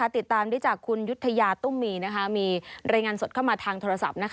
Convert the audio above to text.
ติดตามได้จากคุณยุธยาตุ้มมีมีรายงานสดเข้ามาทางโทรศัพท์